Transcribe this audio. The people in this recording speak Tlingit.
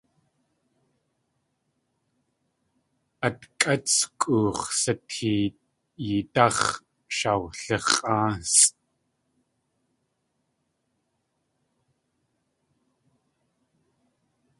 Atkʼátskʼux̲ sateeyídáx̲ shawlix̲ʼwáasʼ.